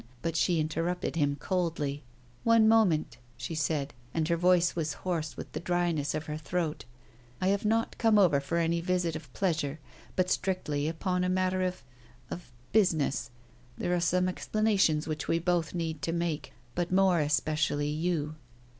But she interrupted him coldly. "One moment," she said, and her voice was hoarse with the dryness of her throat. "I have not come over for any visit of pleasure, but strictly upon a matter of of business. There are some explanations which we both need to make, but more especially you."